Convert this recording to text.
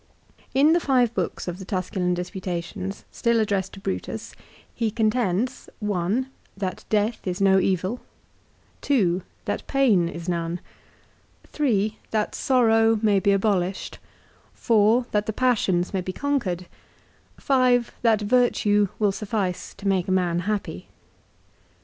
In the five of the Books of the Tusculan disputations, still addressed to Brutus, he contends VOL. II. A A 354 LIFE OF CICERO. 1. That death is no evil. 2. That pain is none. 3. That sorrow may be abolished. 4. That the passions may be conquered. 5. That virtue will suffice to make a man happy.